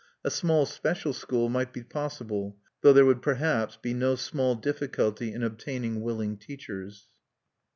A small special school might be possible, though there would perhaps be no small difficulty in obtaining willing teachers(1).